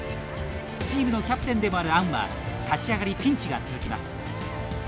チームのキャプテンでもあるアンは立ち上がりピンチが続きます。